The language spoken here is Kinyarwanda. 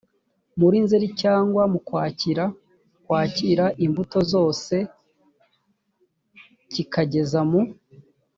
muri nzeri cyangwa mu kwakira kwakira imbuto zose kikageza mu